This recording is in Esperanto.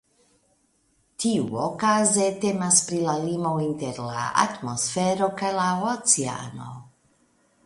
Tiuokaze temas pri la limo inter la atmosfero kaj la oceano.